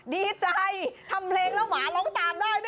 ดีใจทำเพลงแล้วหมาร้องตามได้นะ